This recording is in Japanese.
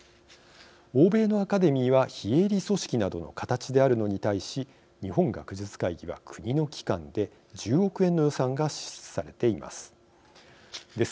欧米のアカデミーは非営利組織などの形であるのに対し日本学術会議は、国の機関で１０億円の予算が支出されています。